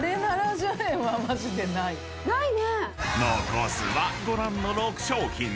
［残すはご覧の６商品］